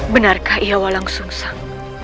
benarkah ia walang sungsang